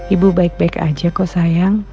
ibu baik baik aja kok sayang